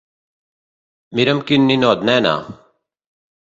Mira quin ninot, nena!